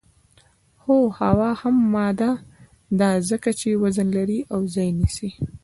هو هوا هم ماده ده ځکه چې وزن لري او ځای نیسي